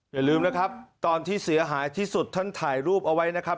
อย่าลืมนะครับตอนที่เสียหายที่สุดท่านถ่ายรูปเอาไว้นะครับ